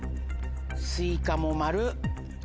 スイカも「○」。